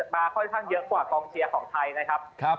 มาค่อยเยอะกว่ากองเชียวของไทยนะครับครับ